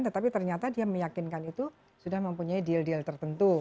tetapi ternyata dia meyakinkan itu sudah mempunyai deal deal tertentu